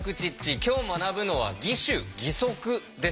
今日学ぶのは義手義足です。